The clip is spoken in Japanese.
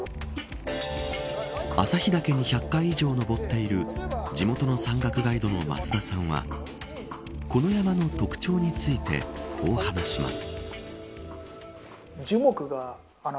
朝日岳に１００回以上登っている地元の山岳ガイドの松田さんはこの山の特徴についてこう話します。